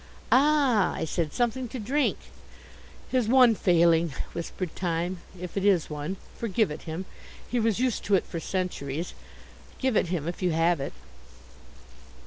"Ah," I said, "something to drink?" "His one failing," whispered Time, "if it is one. Forgive it him. He was used to it for centuries. Give it him if you have it."